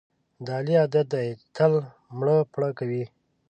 د علي عادت دی تل مړه پړه کوي.